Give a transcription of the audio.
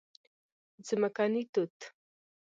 🍓ځمکني توت